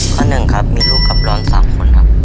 ข้อหนึ่งครับมีลูกกับร้อน๓คนครับ